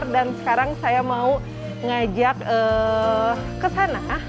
dan sekarang saya mau ngajak ke sana